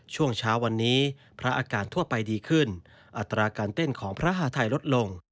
ช่วงเช้าวันนี้พระอาการทั่วไปดีขึ้นอัตราการเต้นของพระหาทัยลดลง